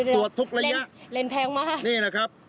ตรวจทุกระยะนี่นะครับเล่นแพงมาก